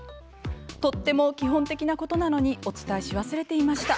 とっても基本的なことなのにお伝えし忘れてました。